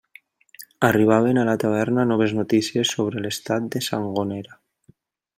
Arribaven a la taverna noves notícies sobre l'estat de Sangonera.